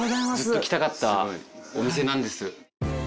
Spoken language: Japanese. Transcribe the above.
ずっと来たかったお店なんです。